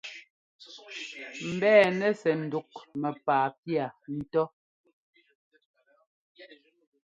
Mbɛ́ɛnɛ sɛ ŋdǔk mɛ́paa pía ńtó.